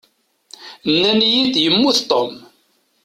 Nnan-iyi-d yemmut Tom.